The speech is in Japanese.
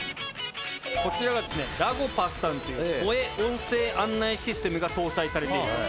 こちらはですねらごぱすたんという萌え音声案内システムが搭載されていると。